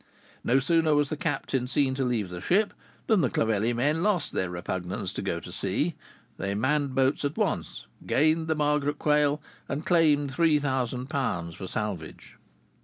No sooner was the captain seen to leave the ship than the Clovelly men lost their repugnance to go to sea. They manned boats at once, gained the Margaret Quail, and claimed three thousand pounds for salvage.